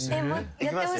いきますよ。